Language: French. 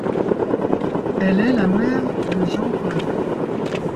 Elle est la mère de Jean Kolb.